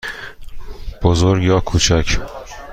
بزرگ یا کوچک؟